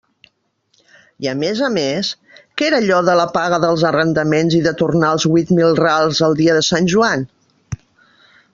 I a més a més, què era allò de la paga dels arrendaments i de tornar els huit mil rals el dia de Sant Joan?